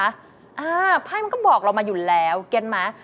ไพ่มันก็บอกเรามาอยู่แล้วเก็บไหม